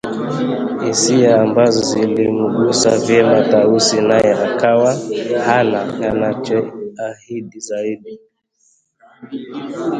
hisia ambazo zilimgusa vyema Tausi naye akawa hana anachoahidi zaidi